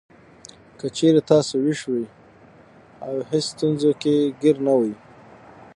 که چېرې تاسو وېښ وئ او هېڅ ستونزو کې ګېر نه وئ.